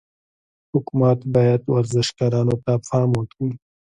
حکومت باید ورزشکارانو ته پام وکړي.